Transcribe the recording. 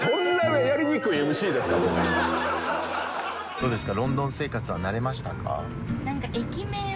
どうですか？